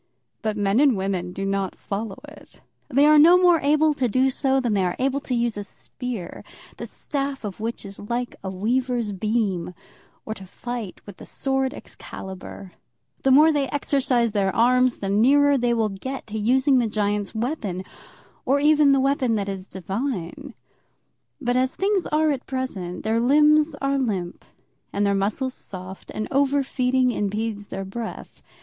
But men and women do not follow it. They are no more able to do so than they are to use a spear, the staff of which is like a weaver's beam, or to fight with the sword Excalibur. The more they exercise their arms, the nearer will they get to using the giant's weapon, or even the weapon that is divine. But as things are at present, their limbs are limp and their muscles soft, and over feeding impedes their breath.